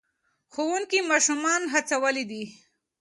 ښوونکي ماشومان هڅولي دي.